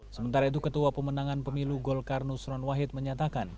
sementara itu ketua pemenangan pemilu golkar nusron wahid menyatakan